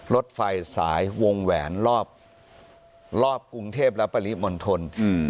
รถไฟสายวงแหวนรอบกรุงเทพรับปริมนตร